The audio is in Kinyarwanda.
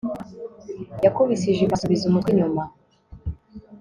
Yakubise ijipo asubiza umutwe inyuma